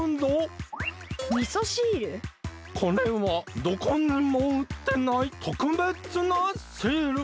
これはどこにもうってないとくべつなシール！